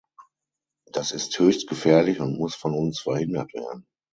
Das ist höchst gefährlich und muss von uns verhindert werden.